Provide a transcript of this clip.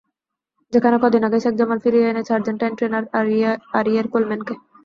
যেখানে কদিন আগেই শেখ জামাল ফিরিয়ে এনেছে আর্জেন্টাইন ট্রেনার আরিয়ের কোলম্যানকে।